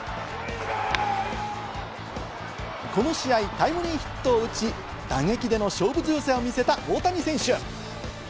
この試合、タイムリーヒットを打ち、打撃での勝負強さを見せた大谷選手。